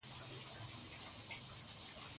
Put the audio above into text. په رشوت کې ورکول کېږي